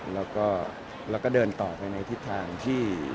แล้วก็เดินต่อไปในทิศทางที่